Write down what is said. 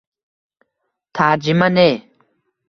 Tarjima ne?